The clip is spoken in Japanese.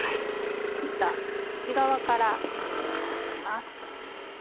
切った内側から染み込ませます。